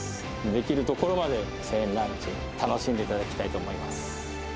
できるところまで１０００円ランチ楽しんでいただきたいと思います。